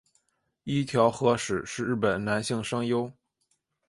一条和矢是日本男性声优。